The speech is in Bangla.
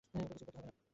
ওকে কিছুই বলতে হবে না।